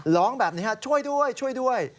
ร้องแบบนี้ช่วยด้วยช่วยด้วย